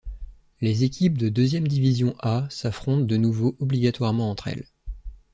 Les équipes de Deuxième division A s'affrontent de nouveau obligatoirement entre elles.